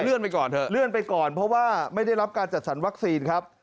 เลื่อนไปก่อนเพราะว่าไม่ได้รับการจัดสรรวัคซีนครับ